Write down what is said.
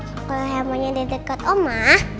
kalau handphonenya di deket oma